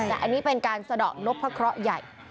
แต่อันนี้เป็นการสะดอกนกพระเคราะห์ใหญ่